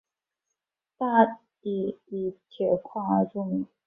大冶以铁矿而著名。